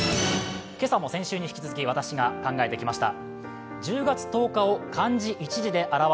今朝も先週に引き続き私が考えてきました。